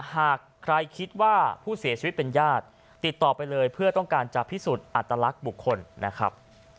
หากใครคิดว่าผู้เสียชีวิตเป็นญาติติดต่อไปเลยเพื่อต้องการจะพิสูจน์อัตลักษณ์บุคคลนะครับ